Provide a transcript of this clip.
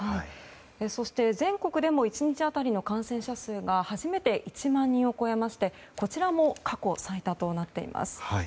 そして全国でも１日当たりの感染者数が初めて１万人を超えましてこちらも過去最多となっています。